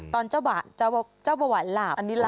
ตอนเจ้าเบาหวานหลับ